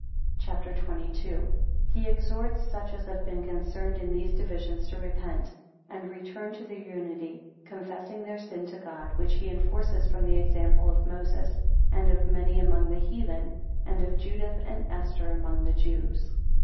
CHAPTER XXII. 1 He exhorts such as have been concerned in these divisions to repent, and return to their unity, confessing their sin to God, 7 which he enforces from the example of Moses, 10 and of many among the heathen, 23 and of Judith and Esther among the Jews.